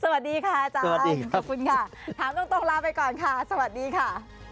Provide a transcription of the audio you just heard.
สวัสดีค่ะอาจารย์ดีครับขอบคุณค่ะทางต้นตรงลาก่อนค่ะสวัสดีค่ะ